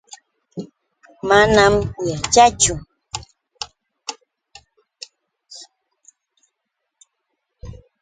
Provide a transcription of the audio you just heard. Manam yaćhaachu.